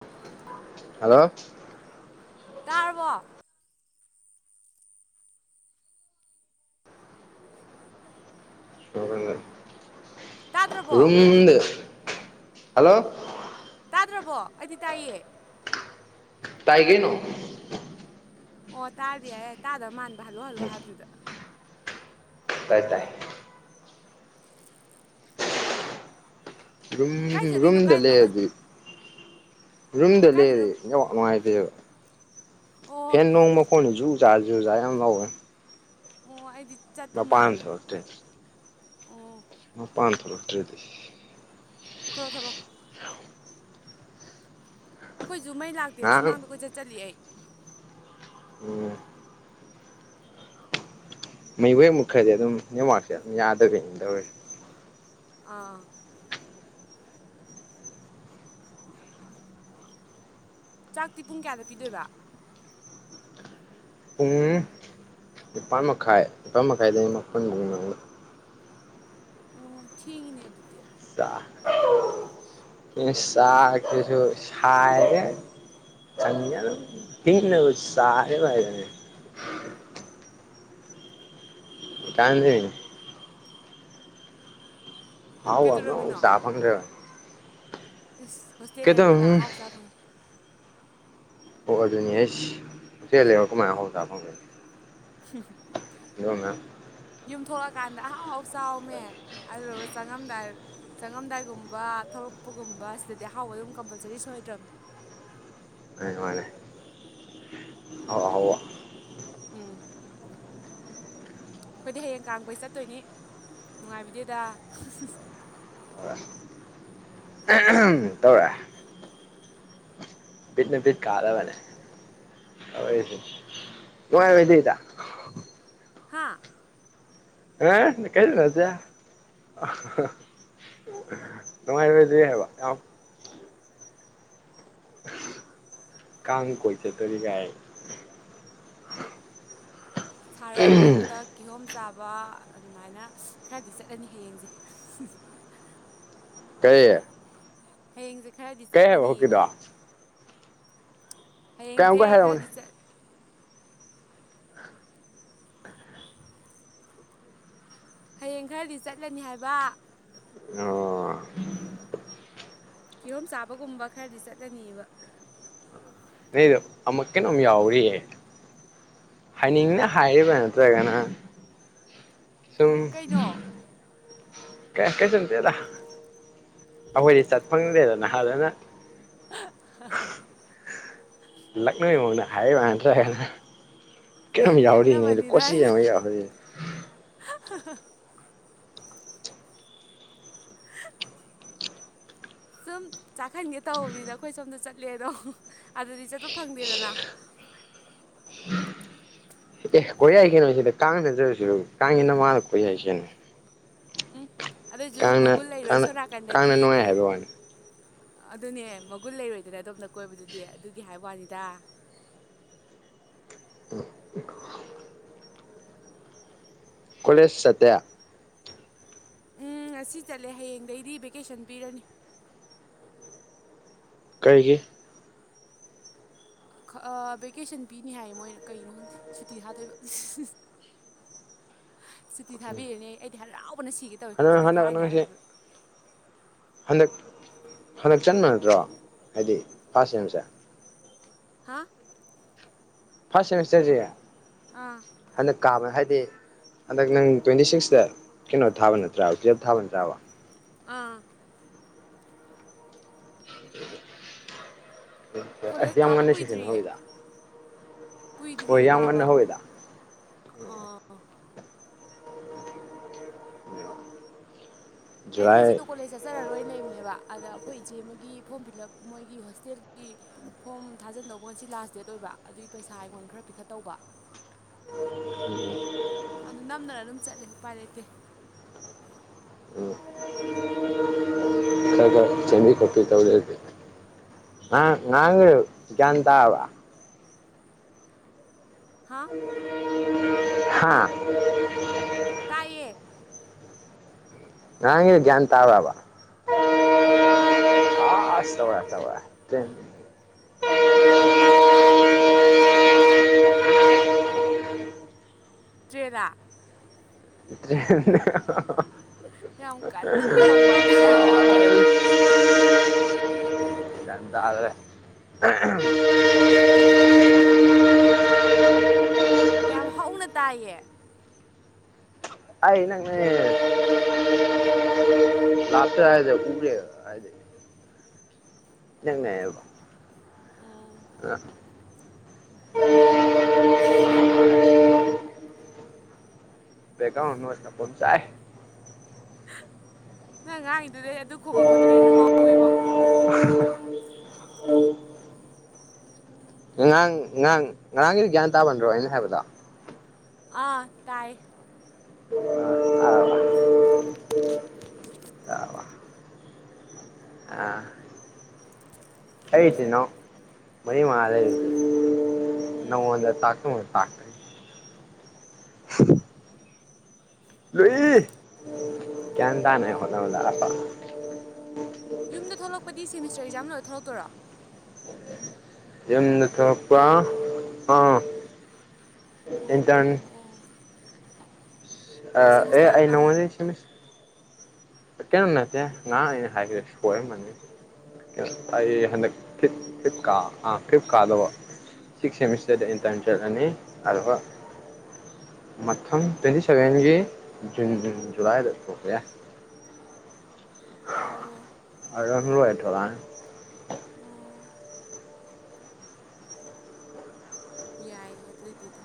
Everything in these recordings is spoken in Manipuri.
ꯑ [unintelligible] ꯍꯜꯂꯣ ꯇꯥꯔꯕꯣ ꯇꯥꯗ꯭ꯔꯕꯣ ꯔꯨꯝꯗ ꯍꯜꯂꯣ ꯇꯥꯗ꯭ꯔꯕꯣ ꯑꯩꯗꯤ ꯇꯥꯏꯌꯦ ꯇꯥꯏꯒꯩꯅꯣ ꯑꯣ ꯇꯥꯔꯗꯤ ꯌꯥꯏ ꯌꯥꯏ ꯇꯥꯗꯕ ꯃꯥꯟꯕ ꯍꯜꯂꯣ ꯍꯜꯂꯣ ꯍꯥꯏꯕꯗꯨꯗ ꯑꯣꯏ ꯇꯥꯏ ꯔꯨꯝ ꯀꯥꯏ ꯔꯨꯝ ꯆꯠꯂꯤꯅꯣ ꯇ ꯂꯩꯂꯤꯌꯥ ꯀꯥꯏꯗꯅꯣꯃ ꯑꯗꯨ ꯔꯨꯝꯗ ꯀꯥꯏꯗꯅꯣ ꯂꯩꯔꯗꯤ ꯌꯥꯝ ꯅꯨꯡꯉꯥꯏꯇꯦꯕ ꯑꯣ ꯐꯦꯟ ꯅꯣꯡꯃ ꯐꯣꯟꯅꯤ ꯌꯨ ꯥꯖꯨꯖꯥ ꯃꯋꯦ ꯑꯣ ꯑꯩꯗꯤ ꯆꯠ ꯃꯄꯥꯟ ꯊꯣꯛꯂꯛꯇ꯭ꯔꯦ ꯑꯣ ꯄꯥꯟ ꯐ ꯂꯣꯇ꯭ꯔꯔꯤꯗꯤ ꯊꯣꯔꯣ ꯊꯣꯛꯂꯣ ꯑꯩꯈꯣꯏꯁꯨ ꯃꯩ ꯂꯥꯛꯇꯦ ꯉꯔꯥꯡ ꯁꯨꯃꯥꯡꯗ ꯀꯣꯏ ꯆꯠ ꯆꯠꯂꯤ ꯑꯩ ꯎ ꯃꯩꯍꯣꯏꯃꯨꯛ ꯈꯔꯗꯤ ꯑꯗꯨꯝ ꯅꯦꯠꯋꯥꯛꯁꯦ ꯑꯗꯨꯝ ꯌꯥꯗꯕꯅꯤ ꯇꯧꯔꯁꯦ ꯑꯥ ꯆꯥꯛꯇꯤ ꯄꯨꯡ ꯀꯌꯥꯗ ꯄꯤꯗꯣꯏꯕ ꯄꯨꯡ ꯅꯤꯄꯥꯥꯟ ꯃꯈꯥꯏ ꯅꯤꯄꯥꯥꯟ ꯃꯈꯥꯏꯗꯒꯤ ꯃꯄꯟꯕꯧꯒꯤ ꯃꯅꯨꯡꯗ ꯑꯣ ꯊꯦꯡꯉꯤꯅꯦ ꯑꯗꯨꯗꯤ ꯆꯥ ꯢꯁ ꯆꯥꯒꯦꯁꯨ ꯍꯥꯢꯔꯦ ꯆꯪꯉꯦ ꯑꯗꯨꯝ ꯄꯤꯛꯅꯕꯨ ꯆꯥꯔꯤꯃꯥꯜꯂꯦ ꯑꯗꯨꯝ ꯀꯥꯥꯟꯗ ꯍꯥꯎꯗꯣ ꯀꯩꯗꯧꯔꯝꯃꯤꯅꯣ ꯆꯥ ꯐ ꯑꯃꯦ ꯏꯁ ꯍꯣꯁꯇꯦꯜ ꯂꯩꯔꯨ ꯀꯅꯥ ꯀꯩꯗꯧꯅꯤ ꯑꯍꯥꯎ ꯆꯥꯐꯝ ꯑꯣ ꯑꯗꯨꯅꯦ ꯑꯁ ꯍꯣꯇꯦꯜ ꯂꯩꯔꯒ ꯀꯃꯥꯏꯅ ꯑꯍꯥꯎꯕ ꯆꯥꯕ ꯐꯪꯗꯨꯢꯅꯣ ꯍꯨꯝ ꯍꯨꯝ [unintelligible] ꯌꯨꯝ ꯊꯣꯛꯂꯛꯀꯥꯟꯗ ꯑꯍꯥꯎ ꯑꯥꯎ ꯆꯥꯎꯃꯦ ꯑꯗꯨꯗꯨꯒ ꯆꯪ ꯆꯪꯉꯝꯗꯥꯏ ꯆꯪꯉꯝꯗꯥꯏꯒꯨꯝꯕ ꯊꯣꯛꯂꯛꯄꯒꯨꯝꯕ ꯁꯤꯗꯗꯤ ꯑꯍꯥꯎꯕ ꯑꯗꯨꯝ ꯀꯝꯄꯜꯁꯔꯤ ꯁꯣꯏꯗ꯭꯭ꯔꯕꯅꯤ ꯑꯩ ꯅꯨꯉꯥꯢꯔꯦ ꯑꯍꯥꯎ ꯑꯍꯥꯎꯕ ꯎꯝ ꯑꯩꯈꯣꯏꯗꯤ ꯍꯌꯦꯡ ꯇꯥꯡꯈꯣꯏ ꯆꯠꯇꯣꯏꯅꯤ ꯅꯨꯡꯉꯥꯏꯕꯤꯗꯦꯗ ꯑ ꯑ ꯑꯍꯝ ꯇꯧꯔꯦ ꯄꯤꯠꯅ ꯄꯤꯠ ꯀꯥꯗꯕꯅꯦꯁ ꯅꯨꯡꯉꯥꯏꯗꯤꯗ ꯍꯥꯥ ꯑ ꯀꯥꯏ ꯅꯖ [unintelligible] ꯀꯥꯡ ꯀꯣꯏꯆꯠꯇꯧꯔꯤ ꯒꯥꯏꯅ ꯁꯥꯔꯝꯂꯣꯝꯗ ꯀꯤꯍꯣꯝ ꯆꯥꯕ ꯑꯗꯨꯃꯥꯏꯅ ꯈꯔꯗꯤ ꯆꯠꯂꯅꯤ ꯍꯌꯦꯡꯖꯦ ꯀꯔꯤ ꯍꯌꯦꯡꯁꯦ ꯈꯔꯗꯤ ꯀꯩ ꯍꯥꯏꯕ ꯆꯠꯂꯅꯤꯕ ꯍꯧꯖꯤꯛꯀꯤꯗꯣ ꯍꯌꯦꯡꯁꯦ ꯀꯌꯥꯝꯀ ꯍꯥꯏꯔꯛꯎꯅꯦ ꯈꯔꯗꯤ ꯆꯠ ꯍꯌꯦꯡ ꯈꯔꯗꯤ ꯆꯠꯂꯅꯤ ꯍꯥꯏꯕ [unintelligible] ꯀꯤꯍꯣꯝ ꯆꯥꯕꯒꯨꯝꯕ ꯈꯔꯗꯤ ꯆꯠꯂꯅꯤꯕ ꯀꯩꯅꯣ ꯑꯃ ꯀꯩꯅꯣꯝ ꯌꯥꯎꯔꯤꯌꯦ ꯍꯥꯏꯅꯤꯡꯅ ꯍꯥꯏꯔꯤꯕꯔ ꯅꯠꯇ꯭ꯔꯒꯅ ꯁꯨꯝ ꯀꯩꯅꯣ ꯀꯩ ꯀꯩꯁꯨꯝ ꯅꯠꯇ‌ꯦꯗ ꯑꯩꯈꯣꯏꯗꯤ ꯆꯠ ꯐꯪꯗꯦꯗꯅ ꯑꯗꯨꯅ [unintelligible] ꯂꯛꯅꯩ ꯃ‌ꯑꯣꯡꯗ ꯍꯥꯏꯔꯤꯕꯔ ꯅꯠꯇꯔꯒꯅ ꯀꯩꯅꯣꯝ ꯌꯥꯎꯔꯤꯌ‌ꯦ ꯂꯛꯅꯕꯅꯤꯗ ꯀꯣꯆꯤ ꯑꯩꯅ ꯑꯃ ꯌꯥꯎꯔꯤ [unintelligible] ꯁꯨꯝ ꯆꯥꯛꯍꯟꯒꯦ ꯇꯧꯕꯅꯤꯗ ꯑꯩꯈꯣꯏ ꯁꯣꯝꯗ ꯆꯠꯂꯦꯗꯣ ꯑꯗꯨꯗꯗꯤ ꯆꯠꯄ ꯐꯪꯗꯦꯗꯅ ꯑꯦ ꯀꯣꯏ ꯌꯥꯏ ꯀꯩꯅꯣ ꯁꯤꯗ ꯀꯥꯡ ꯅꯠꯇꯔꯁꯨ ꯀꯥꯡꯒꯤ ꯅꯃꯥꯗ ꯀꯣꯏ ꯌꯥꯏ ꯀꯩꯅꯣ ꯎꯝ ꯑꯗꯨꯑꯣꯏꯁꯨ ꯀꯥꯡꯅ ꯃꯒꯨꯟ ꯂꯩꯔꯣꯏ ꯀꯥꯡꯅ ꯁꯣꯝꯅꯥꯀꯟꯗꯗꯤ ꯀꯥꯡꯅ ꯅꯨꯡꯉꯥꯏ ꯍꯥꯏꯕ ꯋꯥꯅꯤ ꯑꯗꯨꯅꯦ ꯃꯒꯨꯟ ꯂꯩꯔꯣꯏꯗꯅ ꯑꯗꯣꯝꯗ ꯀꯣꯏꯕꯗꯨꯗꯤ ꯑꯗꯨꯒꯤ ꯍꯥꯏꯕꯩ ꯋꯥꯅꯤꯗ ꯀꯣꯂꯦꯁ ꯆꯠꯇꯦ ꯎꯝ ꯉꯁꯤ ꯆꯠꯂꯦ ꯍꯌꯦꯡꯗꯩꯗꯤ ꯚꯦꯀꯦꯁꯟ ꯄꯤꯔꯅꯤ ꯀꯔꯤꯒꯤ ꯑꯥ ꯚꯦꯀꯦꯁꯟ ꯄꯤꯅꯤ ꯍꯥꯏꯌꯦ ꯃꯣꯏꯅ ꯀꯩꯒꯤꯅꯣ ꯈꯪꯗꯦ ꯁꯨꯇꯤ ꯊꯥꯗꯣꯏꯕ ꯁꯨꯇꯤ ꯊꯥꯕꯤꯔꯅꯤꯌ‌ꯦ ꯑꯩꯗꯤ ꯍꯔꯥꯎꯕꯅ ꯁꯤꯒꯦ ꯇꯧꯋꯤ ꯍꯟꯗꯛ ꯁꯨꯇꯤ ꯍꯟꯗꯛ ꯊꯥꯔꯅꯤ ꯅꯪꯁꯦ ꯍꯥꯏꯔꯛꯄꯗꯨꯗ ꯍꯟꯗꯛ ꯍꯟꯗꯛ ꯆꯟꯕ ꯅꯠꯇ꯭ꯔꯣ ꯍꯥꯏꯗꯤ ꯐꯥꯁ ꯁꯦꯝꯁ ꯍꯥ ꯐꯥꯔꯁ ꯁꯦꯃꯤꯁꯇꯔꯖꯦ ꯑꯥ ꯍꯟꯗꯛ ꯀꯥꯕ ꯍꯥꯏꯗꯤ ꯍꯟꯗꯛ ꯅꯪ ꯇ꯭ꯋꯦꯟꯇꯤ ꯁꯤꯛꯁꯇ ꯀꯩꯅꯣ ꯊꯥꯕ ꯅꯠꯇ꯭ꯔꯥꯕ ꯇꯨꯌꯦꯜꯞ ꯊꯥꯕ ꯅꯠꯇ꯭ꯔꯥꯕ ꯑꯥ [unintelligible] ꯀꯣꯂꯦꯖ ꯀꯥꯕ ꯉꯟꯅ ꯁꯦꯁꯟ ꯀꯨꯏꯗ꯭ꯔꯤꯌꯦ ꯍꯧꯋꯤꯗ ꯍꯣꯏ ꯀꯨꯏꯗ꯭ꯔꯤꯌ‌ꯦ ꯌꯥꯝ ꯀꯥꯕ ꯉꯟꯅ ꯍꯧꯋꯤꯗ ꯑꯥ ꯑꯩꯗꯤ ꯖꯨꯂꯥꯏ ꯉꯁꯤꯗꯣ ꯀꯣꯂ‌ꯦꯖ ꯆꯠ ꯆꯠꯆꯥꯔꯔꯣꯏꯅ ꯂꯩꯕꯅꯦꯕ ꯑꯗꯥ ꯑꯩꯈꯣꯏ ꯏꯆꯦ ꯑꯃꯒꯤ ꯐꯣꯝ ꯐꯤꯜꯂꯞ ꯃꯣꯏꯒꯤ ꯍꯣꯁꯇꯦꯜꯒꯤ ꯐꯣꯝ ꯊꯥꯖꯤꯟꯗꯧꯕ ꯉꯁꯤ ꯂꯥꯁ ꯗꯦꯠ ꯑꯣꯏꯕ ꯑꯗꯨꯒꯤ ꯄꯩꯁꯥ ꯑꯩꯉꯣꯟꯗ ꯈꯔ ꯄꯤꯈꯠꯇꯧꯕ [unintelligible] ꯑꯗꯨ ꯅꯝꯗꯅ ꯑꯗꯨꯝ ꯆꯠꯂꯦ ꯎꯄꯥꯏ ꯂꯩꯇꯦ ꯆꯦꯟꯕꯤ ꯀꯣꯠꯄꯤ ꯇꯧꯔꯤ ꯑꯩ ꯍꯧꯖꯤꯛ ꯑ ꯉꯔꯥꯡꯒꯤꯗ‌ꯣ ꯒ꯭ꯌꯥꯟ ꯇꯥꯔꯕ ꯍꯥ ꯍꯥꯥ ꯇꯥꯏꯌꯦ ꯉꯔꯥꯡꯒꯤ‌ꯗ‌ꯣ ꯒꯌꯥꯟ ꯇꯥꯕꯔꯕ [unintelligible] ꯇꯔ‌ꯦꯟꯂꯥ ꯅꯠꯇꯔ‌ꯦ ꯌꯥꯝ ꯀꯟꯅ ꯈꯣꯡꯕ ꯍꯥꯏꯇꯥꯔꯦ ꯒ꯭ꯌꯥꯟ ꯇꯥꯗ꯭ꯔꯦ [unintelligible] ꯌꯥꯝ ꯍꯧꯅ ꯇꯥꯏꯌꯦ ꯑꯩ ꯏꯅꯛ ꯅꯛꯑ‌ꯦ ꯂꯥꯛꯇ ꯍꯥꯏꯗ ꯎꯔ‌ꯦ ꯍꯥꯏꯗꯦ ꯏꯅꯛ ꯅꯛꯑꯦꯕ ꯎꯝ ꯕꯦꯛꯒꯔꯣꯟ ꯅꯣꯏ ꯅꯄꯣꯝ ꯆꯥꯛꯑꯦ ꯅꯪ ꯉꯥꯡꯗꯨꯗꯩ ꯑꯗꯨ ꯈꯣꯡꯉꯛꯄꯗꯨꯅ ꯍꯦꯟꯅ ꯍꯧꯋꯦꯕꯣ [inaudible] ꯑꯉꯥꯡ ꯉꯥꯡ ꯉꯔꯥꯡꯒꯤꯗꯤ ꯒ꯭ꯌꯥꯟ ꯇꯥꯕꯟ꯭ꯔꯣ ꯑꯩꯅ ꯍꯥꯏꯕꯗꯣ ꯑꯥ ꯇꯥꯏ ꯇꯥꯔꯕ [inaudible] ꯇꯥꯔꯕ ꯑꯥ ꯑꯩꯩ ꯏꯆꯤꯟ ꯏꯅꯧ ꯃꯔꯤ ꯃꯉꯥ ꯂꯩ ꯎꯝ ꯅꯉꯣꯟꯗ ꯇꯥꯛ [inaudible] ꯇꯥꯛ꯫ [inaudible] ꯂꯨꯏ ꯒꯌꯥꯟ ꯇꯥꯅꯩ ꯍꯣꯠꯅꯕꯗ [unintelligible] ꯌꯨꯝꯗ ꯊꯣꯛꯂꯛꯄꯗꯤ ꯁꯦꯃꯤꯁꯇꯔ ꯑꯦꯛꯖꯥꯝ ꯂꯣꯏꯔ ꯊꯣꯛꯂꯛꯇꯣꯏꯔꯣ ꯌꯨꯝꯗ ꯊꯣꯛꯄ ꯑꯥ ꯏꯟꯇꯔꯟ ꯑꯣ ꯑ ꯑꯦ ꯁꯦꯃꯤꯁꯇꯔ ꯑꯩ ꯑꯃ ꯅꯣꯉꯣꯟꯗꯩ ꯁꯤꯃꯤꯁ ꯀꯦꯝ ꯅꯠꯇꯦ ꯉꯔꯥꯡ ꯑꯩꯅ ꯍꯥꯏꯈꯤꯕꯗꯣ ꯁꯣꯏꯔꯝꯃꯅꯤ꯫ ꯑꯩ ꯍꯟꯗꯛ ꯐꯤꯐ ꯐꯤꯐ ꯀꯥ ꯑ ꯐꯤꯐ ꯀꯥꯗꯧꯕ꯫ ꯁꯤꯛꯁ ꯁꯦꯃꯤꯁꯇꯔꯗ ꯎꯝ ꯏꯟꯇꯔꯟ ꯆꯠꯂꯅꯤ ꯑꯗꯨꯒ꯫ ꯃꯊꯪ ꯇ꯭ꯋꯦꯟꯇꯤꯁꯕꯦꯟꯒꯤ ꯖꯨꯟ ꯖꯨꯂꯥꯏꯗ ꯊꯣꯛꯄ ꯌꯥꯏ꯫ ꯑꯣ ꯑꯗꯨꯗꯕꯨ ꯂꯣꯏꯔ ꯊꯣꯛꯂꯛꯑꯅꯤ꯫ ꯎꯝ ꯌꯥꯏꯌꯦ ꯑꯗꯨꯏꯗꯤꯗꯨ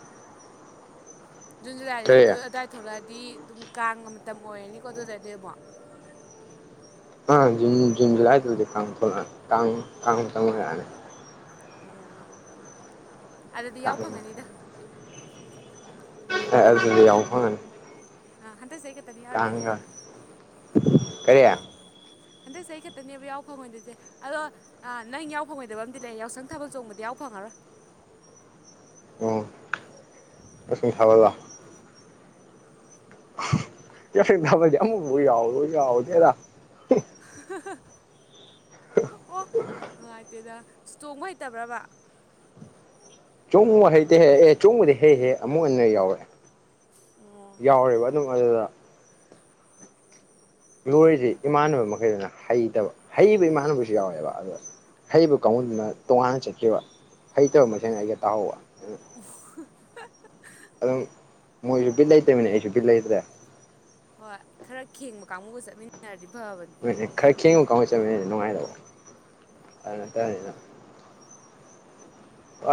ꯖꯨꯟ ꯖꯨꯂꯥꯏꯗ ꯀꯔꯤ ꯗꯣꯑꯗꯥꯏ꯫ ꯊꯣꯛꯂꯛꯑꯗꯤ ꯑꯗꯨꯝ ꯀꯥꯡꯒ ꯃꯇꯝ ꯑꯣꯏꯔꯅꯤꯀꯣ ꯑꯗꯨꯗꯗꯤ ꯑꯃꯨꯛ ꯑꯥ ꯖꯨꯟ ꯖꯨꯟ ꯖꯨꯂꯥꯏꯗꯗꯤ ꯀꯥꯡ ꯊꯣꯛꯂꯛꯑ ꯀꯥꯡ ꯀꯥꯡ ꯃꯇꯝ ꯍꯣꯏꯔꯛꯑꯅꯤ꯫ ꯑꯣ ꯑꯗꯗꯤ ꯌꯥꯎ ꯀꯥꯡ ꯐꯪꯉꯅꯤꯗ ꯑꯦ ꯑꯗꯨꯗꯗꯤ ꯌꯥꯎꯕ ꯐꯪꯉꯅꯤ ꯍ ꯍꯟꯇꯛ ꯆꯍꯤ ꯈꯛꯇꯅꯤ ꯌꯥꯎꯔꯣꯏꯗꯣꯏꯁꯦ ꯀꯥꯡꯒ ꯑꯗꯨꯅ ꯀꯔꯤ ꯑꯣ ꯀꯔꯤ ꯍꯟꯗꯛ ꯆꯍꯤ ꯈꯛꯇꯅꯦꯕ ꯌꯥꯎ ꯐꯪꯉꯣꯏꯗꯣꯏꯁꯦ ꯑꯗꯣ ꯑ ꯅꯪ ꯌꯥꯎ ꯐꯪꯉꯣꯏꯗꯕ ꯑꯃꯗꯤ ꯂꯩ ꯌꯥꯎꯁꯪ ꯊꯥꯕꯜ ꯆꯣꯡꯕꯗꯤ ꯌꯥꯎ ꯐꯪꯉꯔꯣꯏ ꯌꯥꯎꯁꯪ ꯊꯥꯕꯜꯂꯣ ꯌꯥꯎꯁꯪ ꯊꯥꯕꯜꯁꯦ ꯑꯃꯨꯛꯕꯧ ꯌꯥꯥꯎꯕꯨ ꯌꯥꯥꯎꯗꯦꯗ ꯑꯣ ꯅꯨꯡꯉꯥꯏꯇꯦꯗ ꯆꯣꯡꯕ ꯍꯩꯇꯕ꯭ꯔꯕ꯫ ꯆꯣꯡꯕꯕꯨ ꯍꯩꯇꯦ ꯍꯦ ꯑꯦ ꯆꯣꯡꯕꯗꯤ ꯍꯩ ꯍꯦ ꯑꯃꯨꯛ ꯑꯅꯤꯔꯛ ꯌꯥꯎꯔꯛꯑꯦ ꯑꯣ ꯌꯥꯎꯔꯦꯕ ꯑꯗꯨꯝ꯫ ꯑꯗꯨꯗ ꯂꯣꯏꯔꯤꯁꯦ ꯏꯃꯥꯟꯅꯕ ꯃꯈꯩꯗꯏꯅ ꯍꯩꯇꯕ ꯍꯩꯕ ꯏꯃꯥꯟꯅꯕꯁꯨ ꯌꯥꯎꯋꯦꯕ ꯑꯗ ꯍꯩꯕ ꯀꯥꯡꯒꯨꯗꯨꯅ ꯇꯣꯉꯥꯟꯅ ꯆꯠꯈꯤꯕ ꯍꯩꯇꯕ ꯃꯁꯦꯟꯅ ꯑꯩꯒ ꯇꯥꯍꯧꯕ꯫ ꯑꯣ [unintelligible] ꯑꯗꯨꯝ ꯃꯣꯏꯁꯨ ꯕꯤꯠ ꯂꯩꯇꯕꯅꯤꯅ ꯑꯩꯁꯨ ꯕꯤꯠ ꯂꯩꯇ꯭ꯔꯦ ꯍꯣꯏ ꯈꯔ ꯈꯦꯡꯕ ꯀꯥꯡꯒꯨꯒ ꯆꯠꯃꯤꯟꯅꯔꯗꯤ ꯐꯕꯅꯤ꯫ ꯍꯣꯏꯅꯦ ꯈꯔ ꯈꯦꯡꯕ ꯀꯥꯎꯒꯨꯒ ꯆꯠꯃꯤꯟꯅꯔꯗꯤ ꯅꯨꯡꯉꯥꯏꯒꯗꯧꯕ ꯑꯗꯨ ꯅꯠꯇꯕꯅꯤꯅ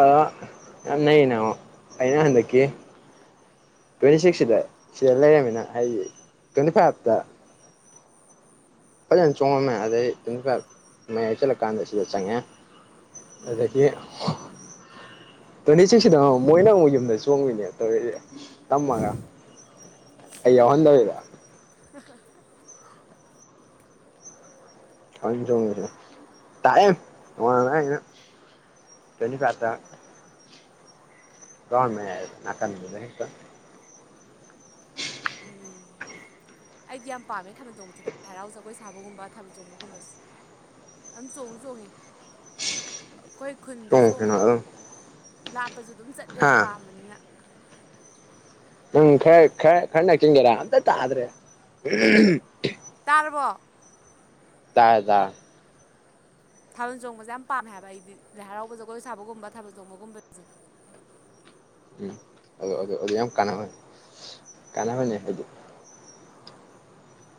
ꯑꯥ ꯌꯥꯝ ꯅꯩꯌꯦ ꯅꯃꯣ ꯑꯩꯅ ꯍꯟꯗꯛꯀꯤ ꯇ꯭ꯋꯦꯟꯇꯤ ꯁꯤꯛꯁꯁꯤꯗ ꯁꯤꯗ ꯂꯩꯔꯃꯤꯅ ꯍꯥꯏꯗꯤ ꯇ꯭ꯋꯦꯟꯇꯤ ꯐꯥꯏꯞꯇ ꯐꯖꯅ ꯆꯣꯡꯉꯝꯃꯦ ꯑꯗꯩ ꯇ꯭ꯋꯦꯟꯇꯤ ꯐꯥꯏꯚ ꯃꯌꯥꯏ ꯆꯜꯂ ꯀꯥꯟꯗ ꯁꯤꯗ ꯆꯪꯉꯛꯑꯦ ꯎꯝ ꯑꯗꯒꯤ [unintelligible] ꯇ꯭ꯋꯦꯟꯇꯤꯁꯤꯛꯁꯤꯅ ꯑꯃꯨꯛ ꯃꯣꯏꯅ ꯑꯃꯨꯛ ꯌꯨꯝꯗ ꯆꯣꯡꯒꯔꯤꯅꯦꯕ ꯇꯧꯔꯤꯁꯦ ꯇꯝꯃꯒ꯫ ꯑꯩ ꯌꯥꯎꯍꯟꯗꯕꯤꯗ [unintelligible] ꯐꯥꯒꯤꯇꯧꯅꯤꯍꯦ ꯇꯥꯏꯍꯦ ꯅꯣꯡꯉꯥꯜꯂꯝꯗꯥꯏꯁꯤꯗ ꯇ꯭ꯋꯦꯟꯇꯤ ꯐꯥꯏꯐ ꯇ ꯅꯥꯀꯥꯟꯗꯨꯗ ꯍꯦꯛꯇ ꯎꯝ ꯑꯩꯗꯤ ꯌꯥꯝ ꯄꯥꯝꯃꯦ ꯊꯥꯕꯜ ꯆꯣꯡꯕꯁꯤ ꯂꯥꯏ ꯍꯔꯥꯎ ꯖꯒꯣꯏ ꯁꯥꯕꯒꯨꯝꯕ ꯊꯥꯕꯜ ꯆꯣꯡꯕꯒꯨꯝꯕꯁ꯫ ꯑꯝ ꯆꯣꯡ ꯆꯣꯡꯉꯦ꯫ ꯑꯩꯈꯣꯏ ꯈꯨꯟꯗ ꯆꯣꯡꯉꯨ ꯀꯩꯅꯣ ꯆꯣꯡꯕꯗꯣ ꯑꯗꯨꯝ ꯂꯥꯞꯄꯁꯨ ꯑꯗꯨꯝ ꯍꯥ ꯆꯠꯂꯦꯕ ꯄꯥꯝꯕꯅꯤꯅ ꯎꯝ ꯈꯦ ꯈ ꯈ ꯀꯒꯦꯔ ꯑꯗ ꯇ꯭ꯔꯦ ꯇꯥꯔꯕꯣ ꯇꯥꯖꯥ [unintelligible] ꯊꯥꯕꯜ ꯆꯣꯡꯕꯁꯦ ꯌꯥꯝ ꯄꯥꯝꯃꯦ ꯍꯥꯏꯕ ꯑꯩꯗꯤ ꯂꯥꯏ ꯍꯔꯥꯎꯕ ꯖꯒꯣꯏ ꯁꯥꯕꯒꯨꯝꯕ ꯊꯥꯕꯜ ꯆꯣꯡꯕꯒꯨꯝꯕ ꯎꯝ ꯑꯗꯨ ꯑꯗꯨ ꯑꯗꯨ ꯌꯥꯝ ꯀꯥꯟꯅꯕꯅꯦ ꯀꯥꯟꯅꯕꯅꯦ ꯑꯗꯨ꯫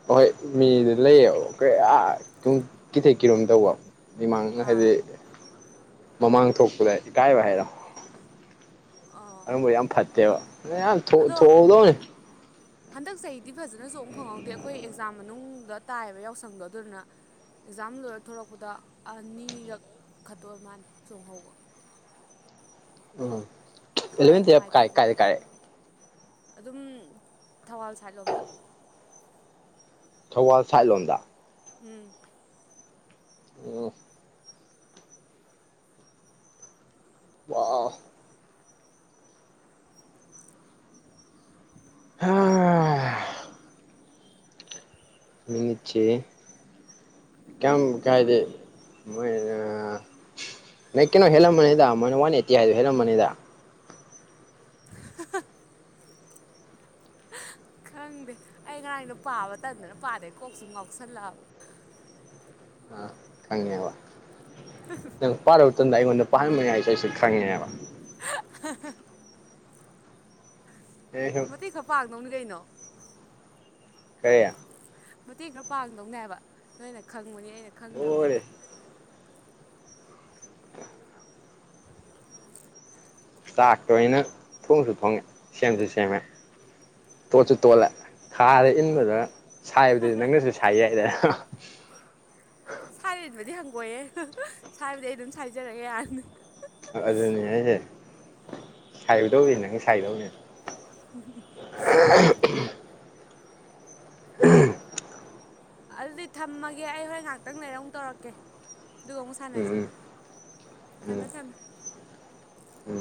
ꯑꯍꯣꯏ ꯃꯤꯗꯨ ꯂꯩꯌꯦꯕ ꯀꯌꯥ ꯑꯗꯨꯨꯡ ꯀꯤꯊꯦꯛ ꯀꯤꯔꯣꯝ ꯇꯧꯕ ꯃꯤꯃꯥꯡ ꯍꯥꯏꯗꯤ ꯑꯥ ꯃꯃꯥꯡ ꯊꯣꯛꯄꯗ ꯏꯀꯥꯏꯕ ꯍꯥꯏꯔꯣ ꯑꯥ ꯑꯗꯨꯝꯕꯗꯤ ꯌꯥꯝ ꯐꯠꯇꯦꯕ ꯌꯥꯝ ꯑꯗꯣ ꯊꯍꯧꯗꯧꯅꯤ ꯍꯟꯗꯛ ꯆꯍꯤꯗꯤ ꯐꯖꯅꯆꯣꯡ ꯐꯪꯍꯧꯗꯦ ꯑꯩꯈꯣꯏ ꯑꯦꯛꯖꯥꯝ ꯃꯅꯨꯡꯗ ꯇꯥꯏꯑꯕ ꯌꯥꯎꯁꯪꯗꯣ ꯑꯗꯨꯗꯨꯅ ꯑꯦꯛꯖꯥꯝ ꯂꯣꯏꯔ ꯊꯣꯔꯛꯄꯗ ꯑꯅꯤꯔꯛ ꯈꯠꯇ ꯑꯣꯏ ꯃꯥꯟꯅꯦ ꯆꯣꯡꯍꯧꯕ꯫ ꯑ ꯊꯋꯥꯏ ꯏꯂꯥꯕꯦꯟ ꯌꯥꯝ ꯇꯨꯌꯦꯜꯚ ꯅꯨꯡꯉꯥꯏꯇꯦ ꯀꯥꯏ ꯑꯗꯨꯅ ꯀꯥꯏꯗꯩ ꯀꯥꯔꯦꯛ ꯑꯗꯨꯝ ꯊꯧꯕꯥꯜ ꯁꯥꯏꯠ ꯂꯣꯝꯗ꯫ ꯊꯧꯕꯥꯜ ꯁꯥꯏꯠꯂꯣꯝꯗ ꯎꯝ ꯑꯣ ꯑ ꯑꯥ [unintelligible] ' [unintelligible] [inaudible] ꯃꯤꯅꯤꯆꯦ ꯀꯝ ꯀꯥꯏꯗꯦ ꯃꯣꯏ ꯅ ꯀꯩꯅꯣ ꯍꯦꯜꯂꯝꯃꯅꯤꯗ ꯃ ꯋꯥꯟ ꯑꯩꯠꯇꯤ ꯍꯥꯏꯗꯣ ꯍꯦꯜꯂꯝꯃꯅꯤꯗ ꯍꯥ-ꯍꯥ ꯈꯪꯗꯦ ꯑꯩ ꯉꯔꯥꯡꯗꯣ ꯄꯥꯕ ꯇꯟꯗꯅ ꯄꯥꯗꯦ ꯀꯣꯛꯁꯨꯨꯝ ꯉꯥꯎꯁꯜꯂꯛꯑꯕ꯫ ꯑꯥ ꯈꯪꯉꯦꯕ ꯍ ꯍꯨꯝ ꯅꯪ ꯄꯥꯂꯣꯏꯔꯕ ꯃꯇꯨꯡꯗ ꯑꯩꯉꯣꯟꯗ ꯄꯥꯍꯟꯕꯅꯦ ꯍꯥꯏꯕꯁꯤ ꯑꯩꯁꯨ ꯈꯪꯉꯦꯕ꯫ ꯅꯨꯄꯤꯅ ꯅꯣꯛꯄ꯫ ꯑꯩ ꯁꯨꯝ ꯃꯇꯦꯛ ꯈꯔ ꯄꯥꯡꯗꯧꯅꯤ ꯀꯩꯅꯣ ꯀꯩ ꯃꯇꯦꯡ ꯈꯔ ꯄꯥꯡꯗꯧꯅꯦꯕ ꯅꯣꯏꯅ ꯈꯪꯕꯅꯤ ꯑꯩꯅ ꯈꯪꯗꯕꯅꯤꯅ ꯂꯣꯏꯔꯦ ꯆꯥꯛꯇ ꯑꯩꯅ ꯊꯣꯡꯁꯨ ꯊꯣꯡꯉꯦ ꯁꯦꯝꯁꯨ ꯁꯦꯝꯃꯦ ꯇꯣꯠꯁꯨ ꯇꯣꯠꯂꯦ ꯈꯥꯗ ꯏꯟꯕꯗ ꯁꯥꯏꯕꯗꯨꯗꯤ ꯅꯪꯅꯁꯨ ꯁꯥꯏ ꯌꯥꯏꯗ ꯁꯥꯏꯔꯏꯟꯕꯗꯤ ꯍꯪꯒꯣꯏꯌꯦ ꯁꯥꯏꯕꯗꯤ ꯑꯩ ꯑꯗꯨꯝ ꯁꯥꯏꯖꯔꯒꯦ ꯌꯥꯔꯅꯤ ꯑꯗꯨꯅꯤ ꯑꯩꯅ ꯁꯥꯏꯒꯗꯧꯅꯤ ꯅꯪ ꯁꯥꯏꯗꯧꯅꯦ [unintelligible] [unintelligible] ꯎꯝ [unintelligible] ꯑꯗꯨꯗꯤ ꯊꯝꯃꯒꯦ ꯑꯩ ꯍꯣꯔꯦꯟ ꯉꯥꯛꯇꯪ ꯂꯩꯔ ꯑꯃꯨꯛ ꯇꯧꯔꯛꯀꯦ꯫ ꯗꯨꯒ ꯃꯨꯛ ꯎꯝ ꯁꯥꯟꯅꯁꯦ ꯎꯝ ꯎꯝ ꯊꯝꯃꯦ ꯊꯝꯃꯦ꯫ ꯎꯝ